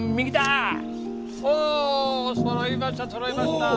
おそろいました